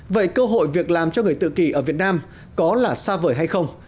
vậy cơ hội việc làm cho người tự kỳ ở việt nam có là xa vời hay không